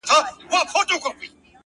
• له ډيره وخته مو لېږلي دي خوبو ته زړونه؛